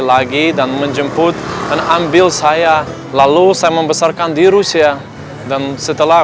lagi dan menjemput dan ambil saya lalu saya membesarkan di rusia dan setelah